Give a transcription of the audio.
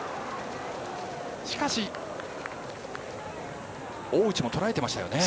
しかし大内もとらえていましたよね。